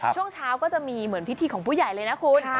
ช่วงเช้าก็จะมีเหมือนพิธีของผู้ใหญ่เลยนะคุณ